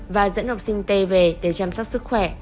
và dẫn học sinh t về để chăm sóc sức khỏe